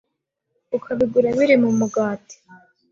ukabigabura biri mu mugati